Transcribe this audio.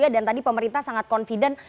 dan tadi pemerintah sangat confident